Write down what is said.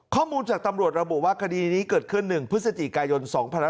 ข้อมูลจากตำรวจระบุว่าคดีนี้เกิดขึ้น๑พฤศจิกายน๒๕๖๒